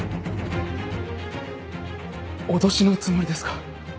脅しのつもりですか？